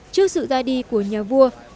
trước sự ra đi của nhà vua